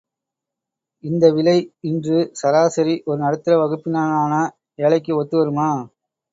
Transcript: இந்த விலை இன்று சராசிரி ஒரு நடுத்தர வகுப்பினனான ஏழைக்கு ஒத்துவருமா?